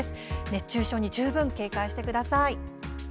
熱中症に十分警戒してください。